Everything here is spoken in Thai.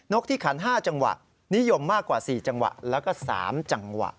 กที่ขัน๕จังหวะนิยมมากกว่า๔จังหวะแล้วก็๓จังหวะ